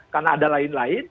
karena ada lain lain